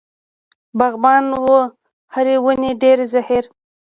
باغبان و په هرې ونې ډېر زهیر.